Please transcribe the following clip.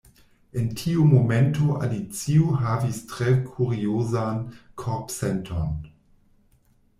En tiu momento Alicio havis tre kuriozan korpsenton.